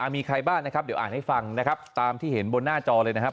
มีใครบ้างนะครับเดี๋ยวอ่านให้ฟังนะครับตามที่เห็นบนหน้าจอเลยนะครับ